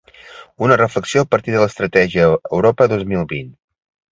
Una reflexió a partir de l'estratègia Europa dos mil vint.